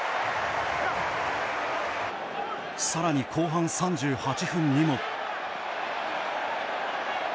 さらに後半３８分にも。